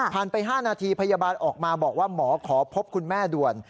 ไป๕นาทีพยาบาลออกมาบอกว่าหมอขอพบคุณแม่ด่วน